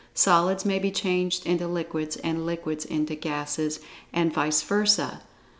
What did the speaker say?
Solids may be changed into liquids, and liquids into gases, and vice versa.